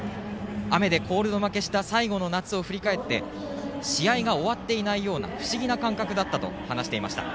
雨でコールド負けした最後の夏を振り返って試合が終わっていないような不思議な感覚だったと話していました。